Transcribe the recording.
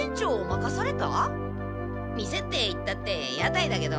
店っていったって屋台だけど。